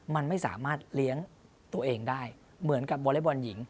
มันไม่สามารถเลี้ยงตัวเองได้เหมือนกับวอเล็กบอลหญิง